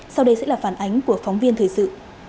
sau đây sẽ là phản ánh của phóng viên thời sự